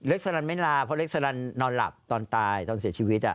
เล็กซาลันด์ไม่ลาเพราะเล็กซาลันด์นอนหลับตอนตายตอนเสียชีวิตอ่ะ